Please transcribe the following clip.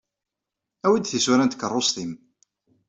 Awey-d tisura n tkeṛṛust-nnem.